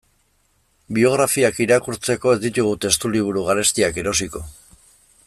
Biografiak irakurtzeko ez ditugu testuliburu garestiak erosiko.